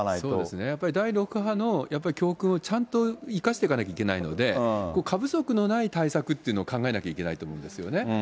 そうですね、やっぱり第６波の、やっぱり、教訓をちゃんと生かしていかなきゃいけないので、過不足のない対策っていうのを考えなきゃいけないと思うんですよね。